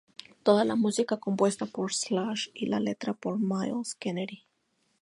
Toda la Música compuesta por Slash y la letra por Myles Kennedy.